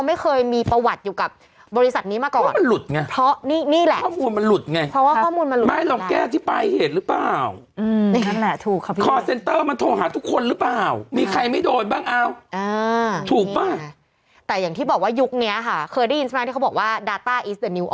ไม่เคยมีประวัติอยู่กับบริษัทนี้มาก่อน